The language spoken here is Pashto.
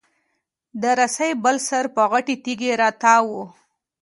د رسۍ بل سر په غټې تېږي راتاو و.